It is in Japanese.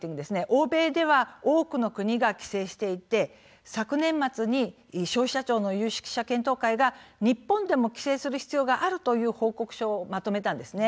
欧米では多くの国が規制していて昨年末に消費者庁の有識者検討会が日本でも規制する必要があるという報告書をまとめたんですね。